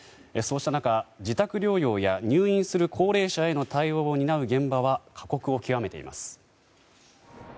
そうした中、自宅療養や入院する高齢者への対応は過酷を極めています。